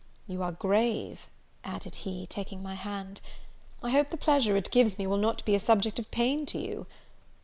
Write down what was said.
You are grave," added he, taking my hand; "I hope the pleasure it gives to me, will not be a subject of pain to you?